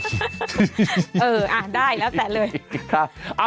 เอออ่ะได้แล้วแต่เลยค่ะ